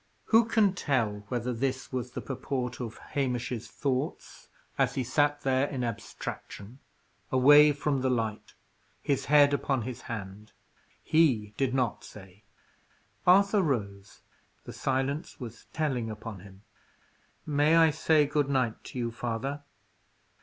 Who can tell whether this was the purport of Hamish's thoughts as he sat there in abstraction, away from the light, his head upon his hand. He did not say. Arthur rose; the silence was telling upon him. "May I say good night to you, father?"